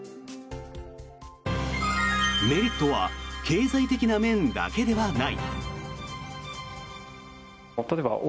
メリットは経済的な面だけではない。